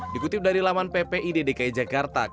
dikutip dari laman ppi di dki jakarta